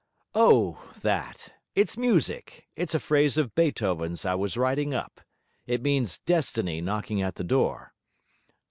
'Oh, that! It's music; it's a phrase of Beethoven's I was writing up. It means Destiny knocking at the door.'